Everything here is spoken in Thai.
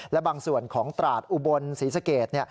และบางส่วนของตราดอุบลศรีสเกต